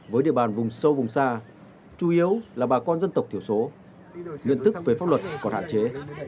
với địa bàn vùng sâu vùng xa chủ yếu là bà con dân tộc thiểu số nhận thức về pháp luật còn hạn chế